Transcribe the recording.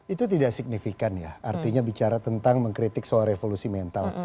itu tidak signifikan ya artinya bicara tentang mengkritik soal revolusi mental